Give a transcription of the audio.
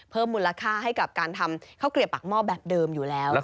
เพิ่มมูลค่าให้กับการทำข้าวเกลียบปากหม้อแบบเดิมอยู่แล้ว